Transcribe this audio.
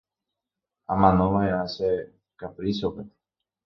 Amanova'erã che kapríchope